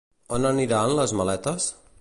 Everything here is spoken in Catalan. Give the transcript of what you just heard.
On aniran les maletes?